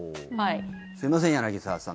すいません、柳澤さん。